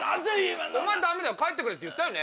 お前ダメだよ「帰ってくれ」って言ったよね？